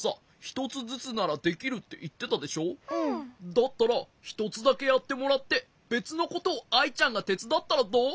だったらひとつだけやってもらってべつのことをアイちゃんがてつだったらどう？